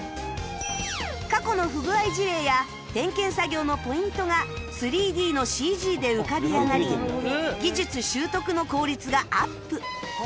過去の不具合事例や点検作業のポイントが ３Ｄ の ＣＧ で浮かび上がり技術習得の効率がアップ